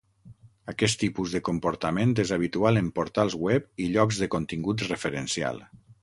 Aquest tipus de comportament és habitual en portals web i llocs de contingut referencial.